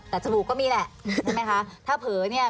แต่จมูกก็มีแหละถ้าเผลอเนี่ย